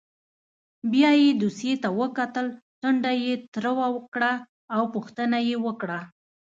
بیا یې دوسیې ته وکتل ټنډه یې تروه کړه او پوښتنه یې وکړه.